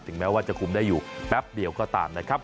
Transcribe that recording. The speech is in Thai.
แม้ว่าจะคุมได้อยู่แป๊บเดียวก็ตามนะครับ